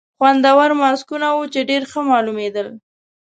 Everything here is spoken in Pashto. خوندور ماسکونه وو، چې ډېر ښه معلومېدل.